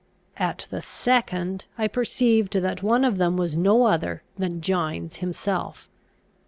At the second, I perceived that one of them was no other than Gines himself.